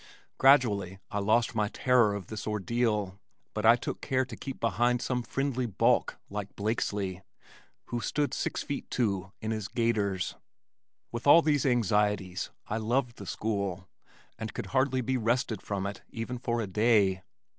Gradually I lost my terror of this ordeal, but I took care to keep behind some friendly bulk like young Blakeslee, who stood six feet two in his gaiters. With all these anxieties I loved the school and could hardly be wrested from it even for a day.